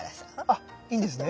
あっいいんですね？